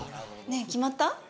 ねぇ決まった？